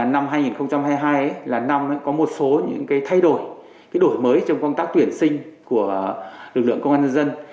năm hai nghìn hai mươi hai là năm có một số những thay đổi đổi mới trong công tác tuyển sinh của lực lượng công an nhân dân